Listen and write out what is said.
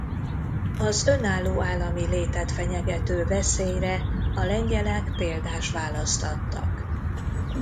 Az önálló állami létet fenyegető veszélyre a lengyelek példás választ adtak.